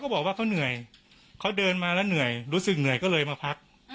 บอกว่าเขาเหนื่อยเขาเดินมาแล้วเหนื่อยรู้สึกเหนื่อยก็เลยมาพัก